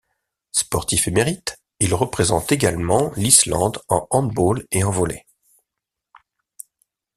Sportif émérite, il représente également l'Islande en handball et en volley.